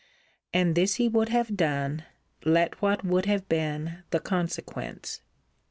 And this he would have done, let what would have been the consequence.